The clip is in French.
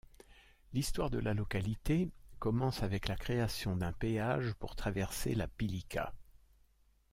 L’histoire de la localité commence avec la création d’un péage pour traverser la Pilica.